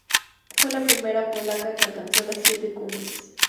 Fue la primera polaca que alcanzó las Siete Cumbres.